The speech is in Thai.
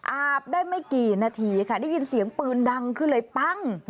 อาบได้ไม่กี่นาทีค่ะได้ยินเสียงปืนดังขึ้นเลยปั้ง